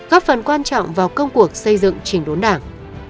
góp phần quan trọng vào công cuộc xây dựng trình đốn đảng